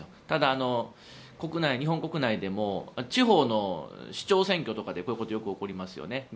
ただ、日本国内でも地方の市長選挙とかではこういうことがよく起こりますよね。